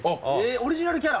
オリジナルキャラ？